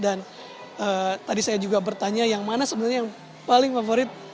dan tadi saya juga bertanya yang mana sebenarnya yang paling favorit